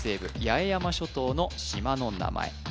八重山諸島の島の名前